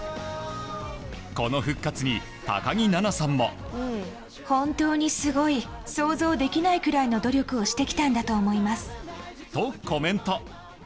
この復活に、高木菜那さんも。と、コメント。